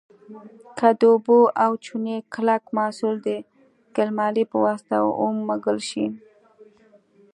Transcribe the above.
که د اوبو او چونې کلک محلول د ګلمالې په واسطه ومږل شي.